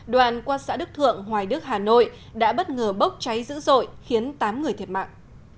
đoạn qua xã đức thượng hoài đức hà nội đã bất ngờ bốc cháy dữ dội khiến tám người thiệt mạng